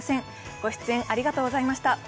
ご出演ありがとうございました。